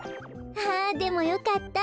あでもよかった。